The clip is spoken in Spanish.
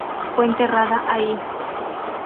Fue enterrada ahí.